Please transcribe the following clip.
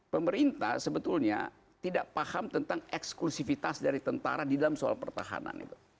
pemerintah sebetulnya tidak paham tentang eksklusifitas dari tentara di dalam soal pertahanan itu